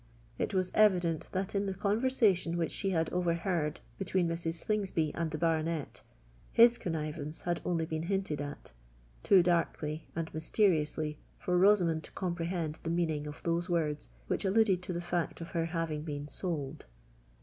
It was evident that in the conversation which she had overheard between Mrs. Slingsby and the baronet, his connivance had only been hinted at,—too darkly and mysteriously for Rosamond to comprehend the meaning of those words which alluded to the fact of her having been sold!